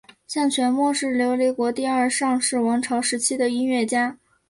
向全谟是琉球国第二尚氏王朝时期的音乐家。